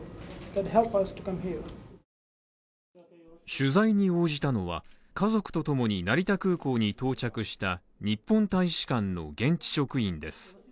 取材に応じたのは家族とともに成田空港に到着した日本大使館の現地職員です。